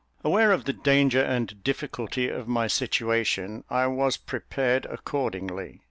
Aware of the danger and difficulty of my situation, I was prepared accordingly.